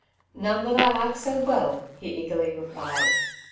" None that I like so well,'' he eagerly replied.